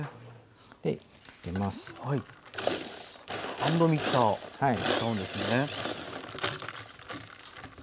ハンドミキサー使うんですね。